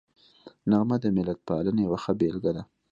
نغمه د ملتپالنې یوه ښه بېلګه ده